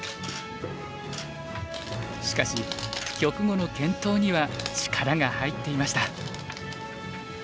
しかし局後の検討には力が入っていました。